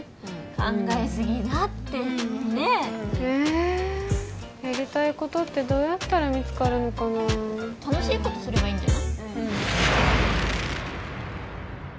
考えすぎだってねええやりたいことってどうやったら見つかるのかな楽しいことすればいいんじゃない？